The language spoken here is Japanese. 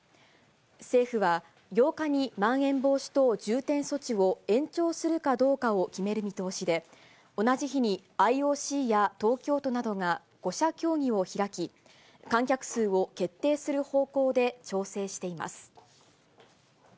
政府は８日にまん延防止等重点措置を延長するかどうかを決める見通しで、同じ日にＩＯＣや東京都などが５者協議を開き、観客数を決定する方向で調整しています。